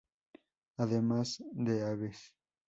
Además de aves.